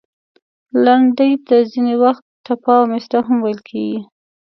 لنډۍ ته ځینې وخت، ټپه او مصره هم ویل کیږي.